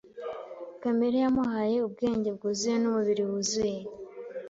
Kamere yamuhaye ubwenge bwuzuye numubiri wuzuye.